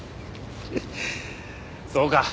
そうか。